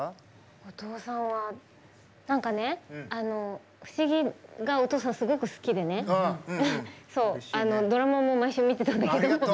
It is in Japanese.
お父さんは「不思議」がお父さん、すごく好きでねドラマも毎週、見てたんだけど。